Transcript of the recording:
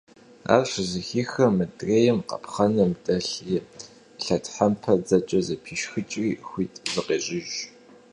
Ар щызэхихым, мыдрейм къапхъэным дэлъ и лъэтхьэмпэр дзэкӀэ пешхыкӀыжри, хуит зыкъещӀыж.